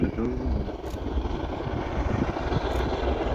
এরমধ্যে উল্লেখযোগ্য হলো "রহস্য", এটি পরিচালনা করেন মেহের আফরোজ শাওন।